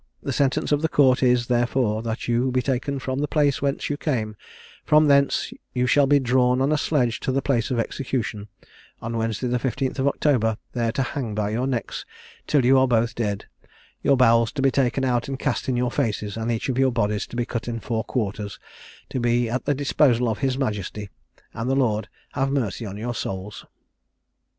The sentence of the Court is, therefore, that you be taken from the place whence you came, from thence you shall be drawn on a sledge to the place of execution, on Wednesday the 15th of October, there to hang by your necks till you are both dead; your bowels to be taken out and cast in your faces; and each of your bodies to be cut in four quarters, to be at the disposal of his Majesty: and the Lord have mercy on your souls!"